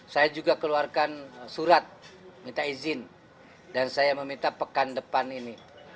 saya juga keluarkan surat minta izin dan saya meminta pekan depan ini